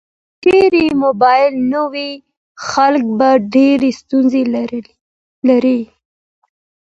که چیرې موبایل نه وای، خلک به ډیر ستونزې لرلې.